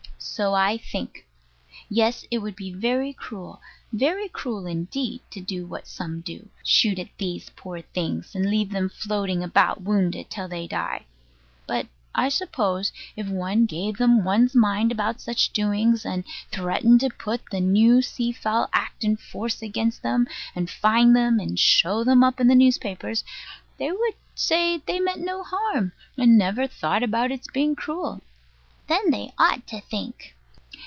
So I think. Yes: it would be very cruel, very cruel indeed, to do what some do, shoot at these poor things, and leave them floating about wounded till they die. But I suppose, if one gave them one's mind about such doings, and threatened to put the new Sea Fowl Act in force against them, and fine them, and show them up in the newspapers, they would say they meant no harm, and had never thought about its being cruel. Then they ought to think.